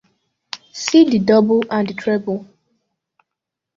"See The Double and The Treble".